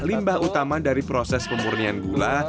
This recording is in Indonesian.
limbah utama dari proses pemurnian gula